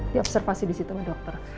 di observasi disitu sama dokter